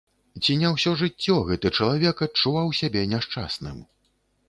Ці не ўсё жыццё гэты чалавек адчуваў сябе няшчасным.